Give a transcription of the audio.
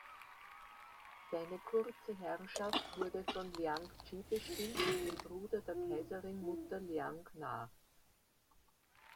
Seine kurze Herrschaft wurde von Liang Ji bestimmt, dem Bruder der Kaiserinmutter Liang Na.